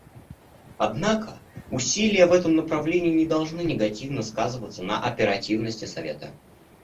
Однако усилия в этом направлении не должны негативно сказываться на оперативности Совета.